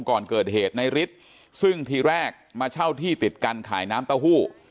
ก่อนเกิดเหตุในฤทธิ์ซึ่งทีแรกมาเช่าที่ติดกันขายน้ำเต้าหู้